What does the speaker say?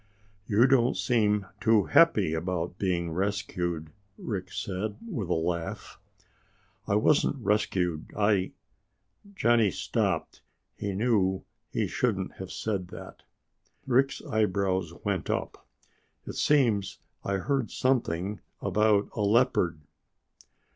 "You don't seem too happy about being rescued," Rick said with a laugh. "I wasn't rescued. I...." Johnny stopped. He knew he shouldn't have said that. Rick's eyebrows went up. "It seems I heard something about a leopard."